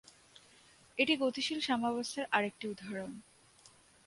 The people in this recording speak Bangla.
এটি গতিশীল সাম্যাবস্থার আরেকটি উদাহরণ।